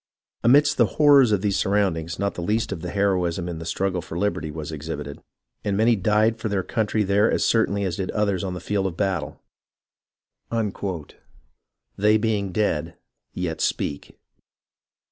Amidst the horrors of these surroundings not the least of the heroism in the struggle for liberty was exhibited, and many died for their country there as certainly as did others on the field of battle. 'They being dead yet speak.'